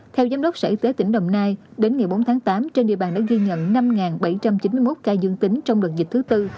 theo giám đốc sở y tế tỉnh đồng nai đến ngày bốn tháng tám trên địa bàn đã ghi nhận năm bảy trăm chín mươi một ca dương tính trong đợt dịch thứ tư